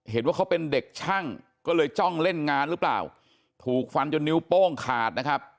เห็นว่าเขาเป็นเด็กช่างก็เลยจ้องเล่นงานหรือเปล่าถูกฟันจนนิ้วโป้งขาดนะครับ